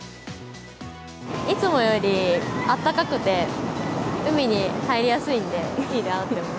いつもよりあったかくて、海に入りやすいんで、いいなって思います。